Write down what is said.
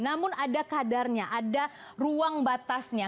namun ada kadarnya ada ruang batasnya